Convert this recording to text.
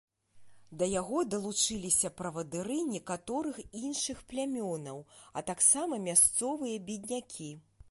Да яго далучыліся правадыры некаторых іншых плямёнаў, а таксама мясцовыя беднякі.